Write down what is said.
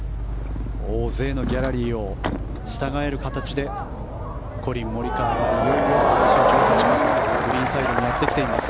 大勢のギャラリーを従える形でコリン・モリカワ、１８番のグリーンサイドにやってきています。